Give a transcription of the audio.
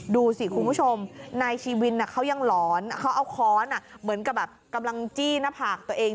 ดูสิคุณผู้ชมนายชีวินเขายังหลอนเขาเอาค้อนเหมือนกับแบบกำลังจี้หน้าผากตัวเอง